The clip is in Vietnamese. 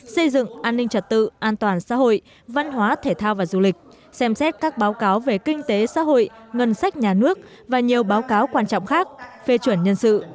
xây dựng an ninh trật tự an toàn xã hội văn hóa thể thao và du lịch xem xét các báo cáo về kinh tế xã hội ngân sách nhà nước và nhiều báo cáo quan trọng khác phê chuẩn nhân sự